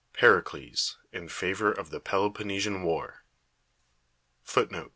PERICLES IN FAVOR OF THE PELOPONNESIAN WAR ^ (4;« B.